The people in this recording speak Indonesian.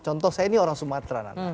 contoh saya ini orang sumatera nana